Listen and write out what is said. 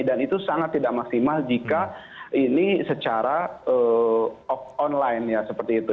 dan itu sangat tidak maksimal jika ini secara online ya seperti itu